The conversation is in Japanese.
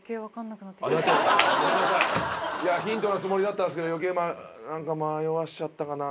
いやヒントのつもりだったんすけど余計何か迷わせちゃったかな。